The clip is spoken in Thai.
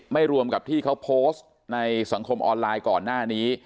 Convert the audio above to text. รวมกับที่เขาโพสต์ในสังคมออนไลน์ก่อนหน้านี้